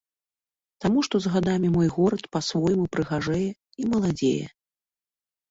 Таму што з гадамі мой горад па-свойму прыгажэе і маладзее.